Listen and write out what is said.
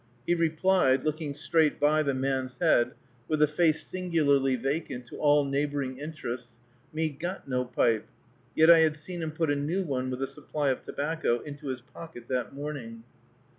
He replied, looking straight by the man's head, with a face singularly vacant to all neighboring interests, "Me got no pipe;" yet I had seen him put a new one, with a supply of tobacco, into his pocket that morning.